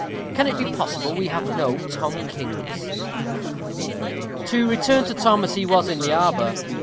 Can it be possible we have no Tom Kings? To return to Tom as he was in the arbor.